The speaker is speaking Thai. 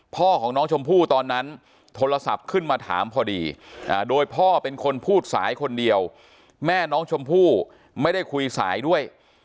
พ่อของน้องชมพู่ตอนนั้นโทรศัพท์ขึ้นมาถามพอดีโดยพ่อเป็นคนพูดสายคนเดียวแม่น้องชมพู่ไม่ได้คุยสายด้วย